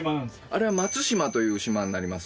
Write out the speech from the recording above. あれは松島という島になります。